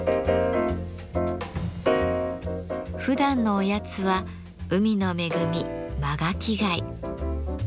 ふだんのおやつは海の恵みマガキガイ。